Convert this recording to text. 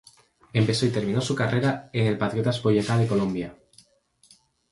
Empezó y terminó su carrera en el Patriotas Boyacá de Colombia.